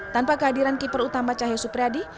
tanpa kehadiran keeper utama cahaya supriyadi